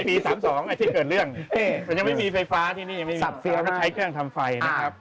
ปี๓๒ที่เกิดเรื่องมันยังไม่มีไฟฟ้าที่นี่ยังไม่มีเชื้อก็ใช้เครื่องทำไฟนะครับ